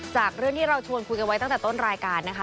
จากเรื่องที่เราชวนคุยกันไว้ตั้งแต่ต้นรายการนะคะ